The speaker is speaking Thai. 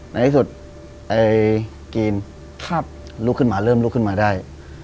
ในที่สุดไอ้กีนลุกขึ้นมาเริ่มลุกขึ้นมาได้